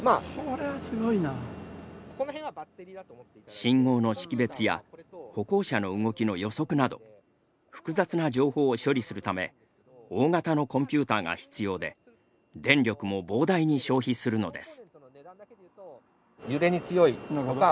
信号の識別や歩行者の動きの予測など複雑な情報を処理するため大型のコンピューターが必要で電力も膨大に消費するのです。